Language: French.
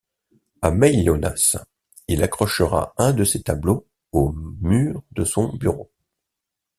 À Meillonnas, il accrochera un de ses tableaux au mur de son bureau.